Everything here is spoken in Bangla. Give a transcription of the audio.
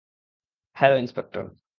Hello, inspector.